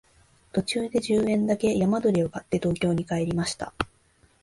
途中で十円だけ山鳥を買って東京に帰りました